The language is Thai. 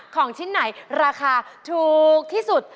ของชิ้นไหนราคาถูกที่สุด